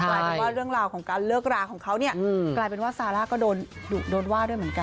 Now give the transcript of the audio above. กลายเป็นว่าเรื่องราวของการเลิกราของเขาเนี่ยกลายเป็นว่าซาร่าก็โดนว่าด้วยเหมือนกัน